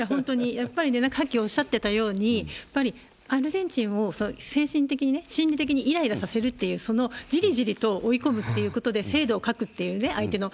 やっぱりね、さっきおっしゃってたように、やっぱりアルゼンチンを精神的にね、心理的にいらいらさせるっていう、そのじりじりと追い込むってことで精度を欠くっていうね、相手の。